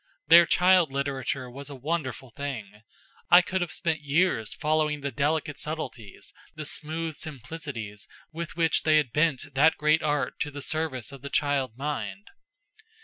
Their child literature was a wonderful thing. I could have spent years following the delicate subtleties, the smooth simplicities with which they had bent that great art to the service of the child mind.